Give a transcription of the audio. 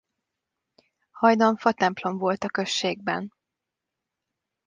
Hajdan fatemplom volt a községben.